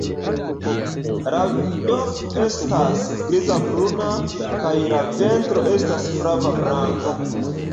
La dorso estas griz-bruna, kaj la ventro estas flav-blanka.